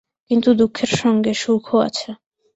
কিন্তু, দুঃখের সঙ্গে সুখও আছে।